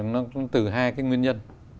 nó cũng từ hai cái nguyên nhân